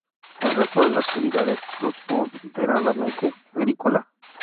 El resto de la actividad es preponderantemente agrícola.